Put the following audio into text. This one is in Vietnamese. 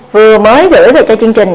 vừa mới gửi về cho chương trình